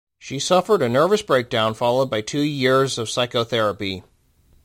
She suffered a nervous breakdown followed by two years of psychotherapy.